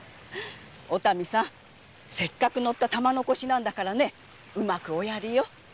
せっかく乗った玉の輿なんだからうまくおやりよ。